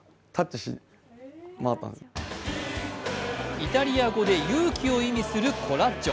イタリア語で勇気を意味するコラッジョ。